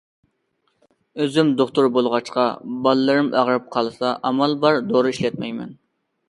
ئۆزۈم دوختۇر بولغاچقا، بالىلىرىم ئاغرىپ قالسا ئامال بار دورا ئىشلەتمەيمەن.